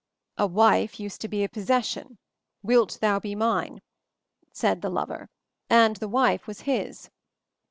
"A 'wife' used to be a possession; 'wilt thou be mine?' said the lover, and the wife was c his.'